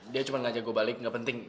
dia cuma ngajak gue balik gak penting